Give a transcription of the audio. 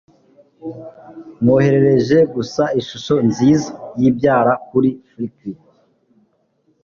Mboherereje gusa ishusho nziza yibyara kuri Flickr.